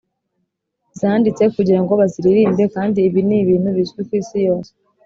zanditse kugira ngo baziririmbe kandi ibi ni ibintu bizwi ku isi yose."